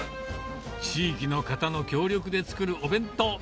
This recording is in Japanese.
地域の方の協力で作るお弁当。